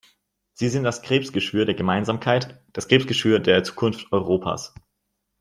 Sie sind das Krebsgeschwür der Gemeinsamkeit, das Krebsgeschwür der Zukunft Europas.